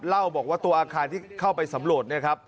เล่าบอกว่าตัวอาคารที่เข้าไปสำรวจ